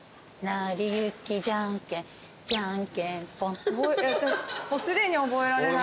なりゆきじゃんけん。